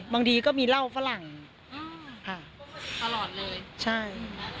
บางทีก็มีเหล้าฝรั่งตลอดเลยใช่